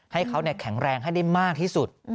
ให้เขาแข็งแรงให้ได้มากที่สุด